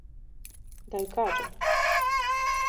Да јој кажем?